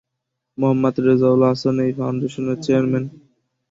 মোহাম্মদ রেজাউল আহসান এই ফাউন্ডেশনের চেয়ারম্যান।